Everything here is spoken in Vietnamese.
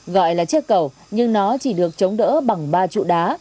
gọi là chiếc cầu nhưng nó chỉ được chống đỡ bằng ba trụ đá